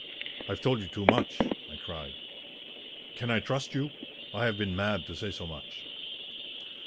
"I've told you too much!" I cried. "Can I trust you? I have been mad to say so much."